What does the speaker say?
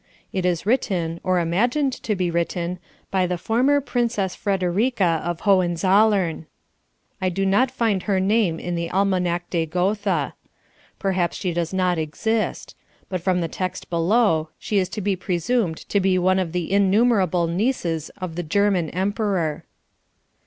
It is written, or imagined to be written, by the (former) Princess Frederica of Hohenzollern. I do not find her name in the Almanach de Gotha. Perhaps she does not exist. But from the text below she is to be presumed to be one of the innumerable nieces of the German Emperor.